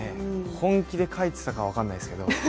本気で書いてたかは分からないですけど。